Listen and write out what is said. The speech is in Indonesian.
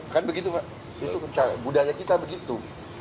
kan begitu pak itu budaya kita begitu